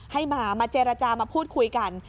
ให้มามาเจรจามาพูดคุยกัน